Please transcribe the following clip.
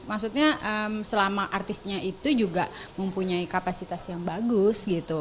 maksudnya selama artisnya itu juga mempunyai kapasitas yang bagus gitu